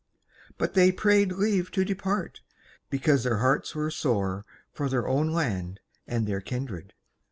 But they prayed leave to depart, because their hearts were sore for their own land and their kindred.